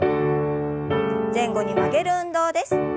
前後に曲げる運動です。